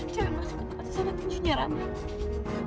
jalan masuk ke tempat yang sangat injunnya ratu